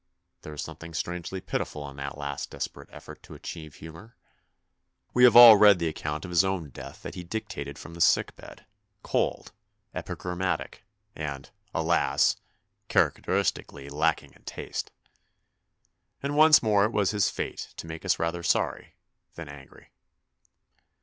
There is something strangely pitiful in that last desperate effort to achieve humour. We have all read the account of his own death 236 THE BIOGRAPHY OF A SUPERMAN that he dictated from the sick bed cold, epigrammatic, and, alas ! characteristically lacking in taste. And once more it was his fate to make us rather sorry than angry.